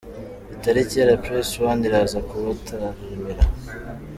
Bitari kera press One iraza kubataramira.